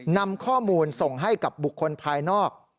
นำข้อมูลส่งให้กับบุคคลภายนอก